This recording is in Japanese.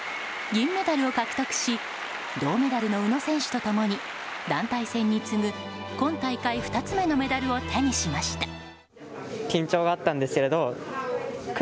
銀メダルを獲得し銅メダルの宇野選手と共に団体戦に次ぐ今大会２つ目のメダルを手にしました。